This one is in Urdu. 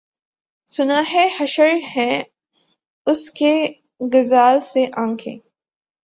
سُنا ہے حشر ہیں اُس کی غزال سی آنکھیں